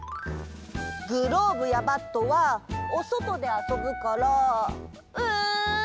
グローブやバットはおそとであそぶからうんどうしよっかな？